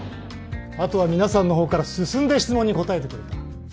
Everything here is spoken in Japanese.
あとは皆さんの方から進んで質問に答えてくれた。